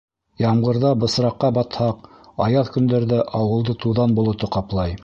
Ямғырҙа бысраҡҡа батһаҡ, аяҙ көндәрҙә ауылды туҙан болото ҡаплай.